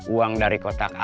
uang dari kotaknya